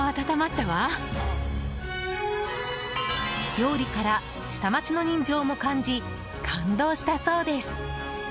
料理から下町の人情も感じ感動したそうです。